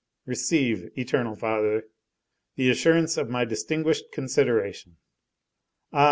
Receive, Eternal Father, the assurance of my distinguished consideration. Ah!